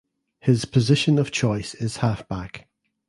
His position of choice is Halfback.